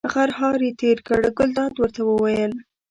غرهار یې تېر کړ، ګلداد ورته وویل.